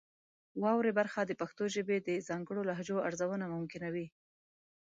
واورئ برخه د پښتو ژبې د ځانګړو لهجو ارزونه ممکنوي.